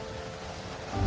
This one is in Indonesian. tidak ada yang bisa mengguling